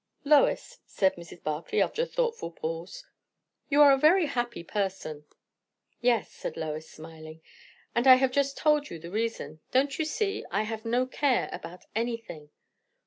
"Lois," said Mrs. Barclay, after a thoughtful pause, "you are a very happy person!" "Yes," said Lois, smiling; "and I have just told you the reason. Don't you see? I have no care about anything."